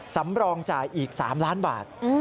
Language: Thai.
สำรองจ่ายอีก๓ล้านบาท